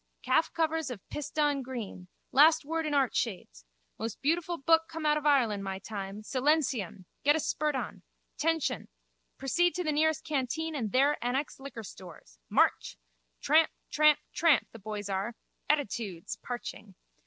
Calf covers of pissedon green. Last word in art shades. Most beautiful book come out of Ireland my time. Silentium! Get a spurt on. Tention. Proceed to nearest canteen and there annex liquor stores. March! Tramp, tramp, tramp, the boys are (attitudes!) parching.